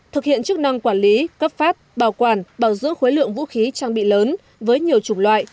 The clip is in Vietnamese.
thực hiện chức năng quản lý cấp phát bảo quản bảo dưỡng khối lượng vũ khí trang bị lớn với nhiều chủng loại